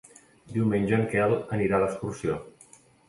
Diumenge en Quel anirà d'excursió.